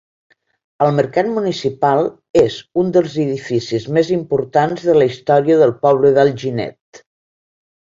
El mercat municipal és un dels edificis més importants de la història del poble d'Alginet.